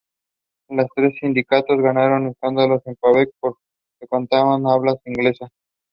It faces the road leading to Mogao Grottoes in the south.